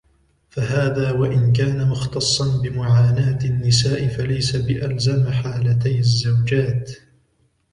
فَهَذَا وَإِنْ كَانَ مُخْتَصًّا بِمُعَانَاةِ النِّسَاءِ فَلَيْسَ بِأَلْزَمَ حَالَتَيْ الزَّوْجَاتِ